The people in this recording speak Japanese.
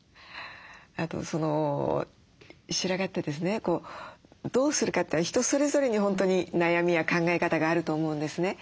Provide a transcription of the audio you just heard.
あと白髪ってですねどうするかって人それぞれに本当に悩みや考え方があると思うんですね。